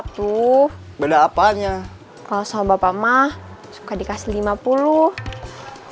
tuh beda apanya kalau sama bapak mah suka dikasih lima puluh raso mama paling dua puluh